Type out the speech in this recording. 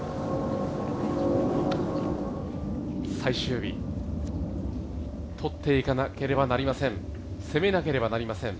最終日とっていかなければなりません。